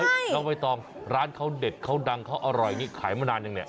น้องใบตองร้านเขาเด็ดเขาดังเขาอร่อยอย่างนี้ขายมานานยังเนี่ย